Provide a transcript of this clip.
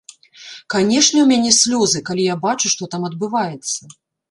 Канешне, у мяне слёзы, калі я бачу, што там адбываецца.